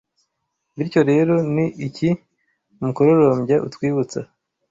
Bityo rero ni iki umukororombya utwibutsa?